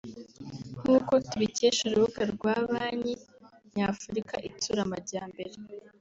nk’uko tubikesha urubuga rwa Banki nyafurika itsura amajyambere